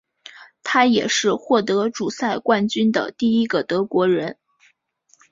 他也是获得主赛冠军的第一个德国人。